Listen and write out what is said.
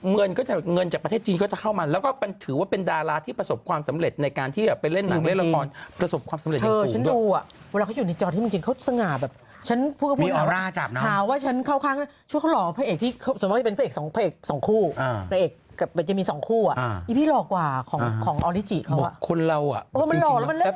มิสแกลนกรุงเทพฯมหานครที่ชนะในการประกวดชุดประจำชาติปีนี้นะครับ